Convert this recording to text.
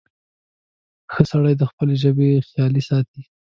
• ښه سړی د خپلې ژبې خیال ساتي.